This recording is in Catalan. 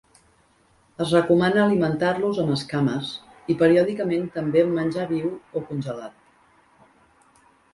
Es recomana alimentar-los amb escames, i periòdicament també amb menjar viu o congelat.